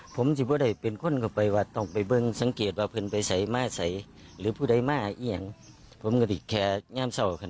ผมจิบว่าได้เป็นคนกำลังทำอะไรกัน